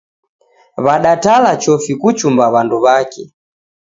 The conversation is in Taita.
Wadatala chofi kuchumba w'andu w'ake